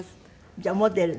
じゃあモデルね。